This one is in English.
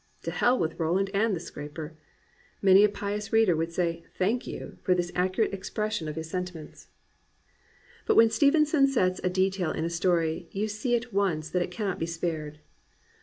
To hell with Ro land and the scraper !" Many a pious reader would say "thank you" for this accurate expression of his sentiments. But when Stevenson sets a detail in a story you see at once that it cannot be spared.